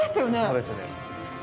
そうですね。